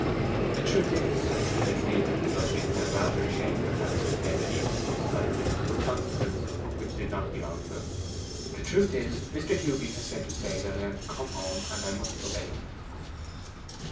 'The truth is,' said Stephen blushing, and rather ashamed of having pretended even so slightly to a consequence which did not belong to him, 'the truth is, Mr. Hewby has sent to say I am to come home; and I must obey him.